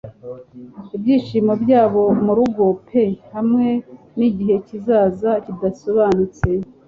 Ibyishimo byabo murugo pe hamwe nigihe kizaza kidasobanutse;